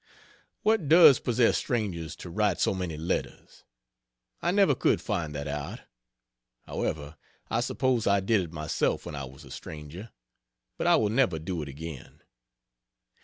What does possess strangers to write so many letters? I never could find that out. However, I suppose I did it myself when I was a stranger. But I will never do it again.